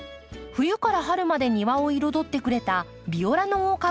冬から春まで庭を彩ってくれたビオラの大株を抜きます。